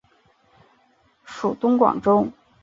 属东广州。